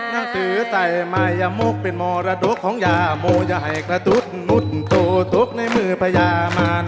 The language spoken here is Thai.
นั่งถือใส่มายมกเป็นมรดกของยามโยให้กระตุ๊ดหมุดโตตกในมือพญามัน